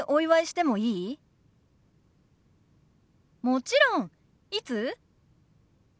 もちろん。いつ？